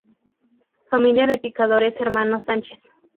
Familia de Picadores Hermanos Sánchez.